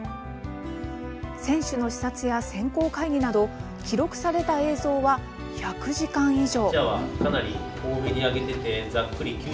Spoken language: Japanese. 選手の視察や選考会議など記録された映像は１００時間以上。